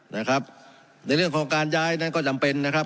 นะครับในเรื่องของการย้ายนั้นก็จำเป็นนะครับ